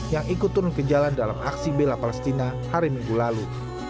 yang ikut turun ke jalan dalam aksi bela palestina hari minggu lalu